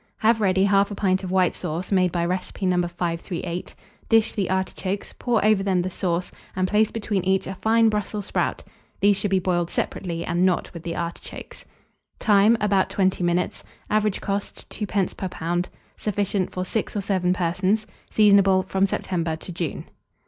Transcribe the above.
Have ready 1/2 pint of white sauce, made by recipe No. 538; dish the artichokes, pour over them the sauce, and place between each a fine Brussels sprout: these should be boiled separately, and not with the artichokes. Time. About 20 minutes. Average cost, 2d. per lb. Sufficient for 6 or 7 persons. Seasonable from September to June.